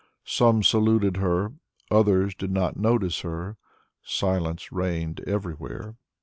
Some saluted her, others did not notice her. Silence reigned everywhere.